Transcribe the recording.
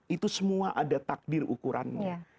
itu semua ada takdir ukurannya